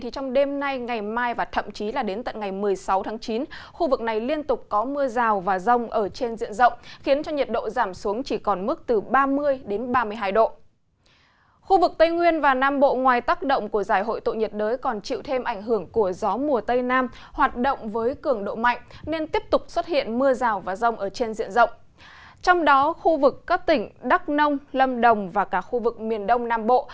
trong đó khu vực các tỉnh đắk nông lâm đồng và cả khu vực miền đông nam bộ